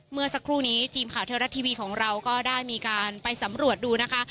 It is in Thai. เมื่อสักครู่นี้ทีมข่าวเทวรัฐทีวีของเราก็ได้มีการไปสำรวจดูนะคะ